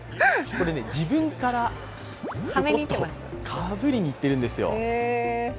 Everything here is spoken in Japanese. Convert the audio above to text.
これね、自分からぴょこんとかぶりにいっているんですよ。